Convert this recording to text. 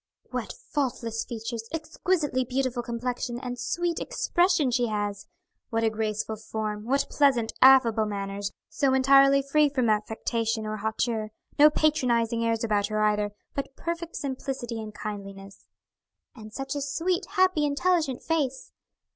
"What faultless features, exquisitely beautiful complexion, and sweet expression she has." "What a graceful form, what pleasant, affable manners, so entirely free from affectation or hauteur; no patronizing airs about her either, but perfect simplicity and kindliness." "And such a sweet, happy, intelligent face."